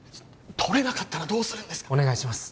取れなかったらどうするんですかお願いします